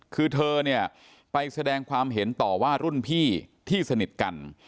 คือเธอเนี่ยไปแสดงความเห็นต่อว่ารุ่นพี่ที่สนิทกัน